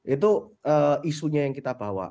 itu isunya yang kita bawa